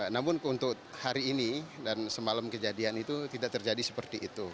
namun untuk hari ini dan semalam kejadian itu tidak terjadi seperti itu